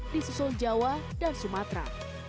di susul jawa dan sumatera